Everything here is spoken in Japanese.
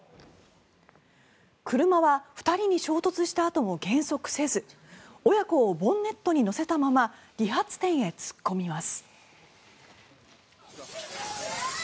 車は２人に衝突したあとも減速せず親子をボンネットに乗せたまま理髪店へ突っ込みます。